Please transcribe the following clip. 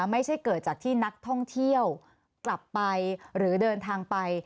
ไม่ใช่เกิดจากที่นักท่องเที่ยวกลับไปหรือเดินทางไป